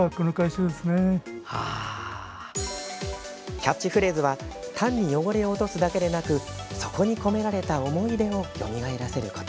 キャッチフレーズは単に汚れを落とすだけでなくそこに込められた思い出をよみがえらせること。